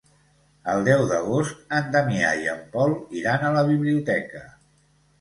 El deu d'agost en Damià i en Pol iran a la biblioteca.